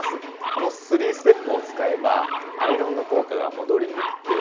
この３ステップを使えばアイロンの効果が戻りにくく